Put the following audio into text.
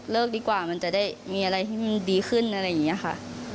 ดีกว่ามันจะได้มีอะไรที่มันดีขึ้นอะไรอย่างนี้ค่ะ